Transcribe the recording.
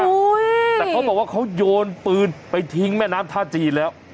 แต่เขาบอกว่าเขาโยนปืนไปทิ้งแม่น้ำท่าจีนแล้ว